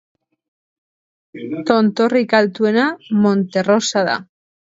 Tontorrik altuena Monte Rosa da.